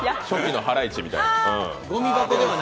初期のハライチみたい。